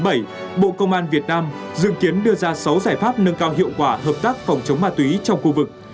bộ công an việt nam dự kiến đưa ra sáu giải pháp nâng cao hiệu quả hợp tác phòng chống ma túy trong khu vực